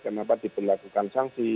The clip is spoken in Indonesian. kenapa tidak melakukan sanksi